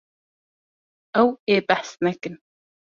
Ew ê behs nekin.